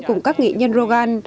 cùng các nghệ nhân rogan